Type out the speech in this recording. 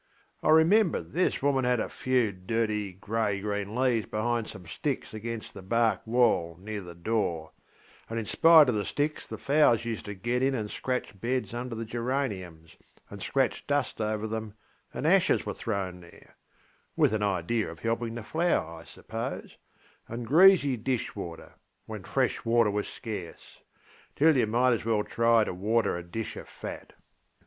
I remembered this woman had a few dirty grey green leaves behind some sticks against the bark wall near the door; and in spite of the sticks the fowls used to get in and scratch beds under the geraniums, and scratch dust over them, and ashes were thrown there ŌĆöwith an idea of helping the flower, I suppose; and greasy dish water, when fresh water was scarceŌĆötill you might as well try to water a dish of fat.